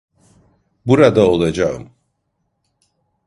Burada olacağım.